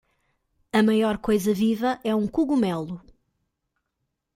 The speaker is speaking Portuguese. A maior coisa viva é um cogumelo.